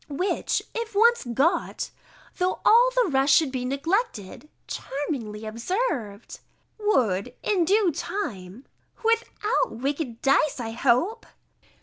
_] "which, if once got, though all the rest should be neglected," [charmingly observed!] "would, in due time," [_without wicked dice, I hope!